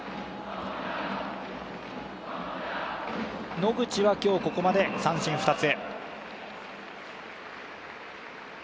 野口は今日ここまで三振２つ。